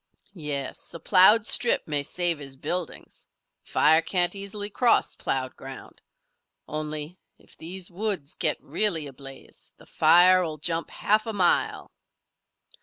"Yes. A ploughed strip may save his buildings. Fire can't easily cross ploughed ground. Only, if these woods get really ablaze, the fire will jump half a mile!"